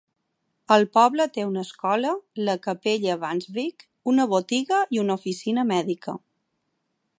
El poble té una escola, la Capella Vangsvik, una botiga i una oficina mèdica.